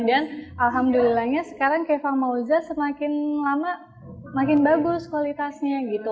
dan alhamdulillahnya sekarang kepa mausa semakin lama makin bagus kualitasnya gitu